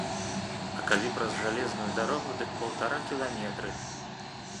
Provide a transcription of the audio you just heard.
А калі праз жалезную дарогу, дык паўтара кіламетры.